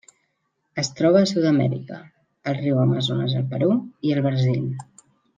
Es troba a Sud-amèrica: el riu Amazones al Perú i el Brasil.